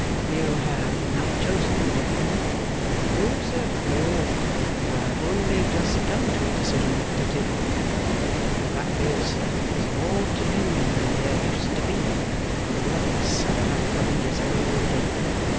'You have not chosen him yet, then?' 'No, sir, no. I have only just come to a decision to take one. The fact is, there's more to do than there used to be, and the Works are enough for me as I grow older.